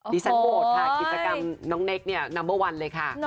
ดีแซนโบสถ์ค่ะอิกษกรรมน้องเนคเนี่ยนัมเบอร์วันเลยค่ะ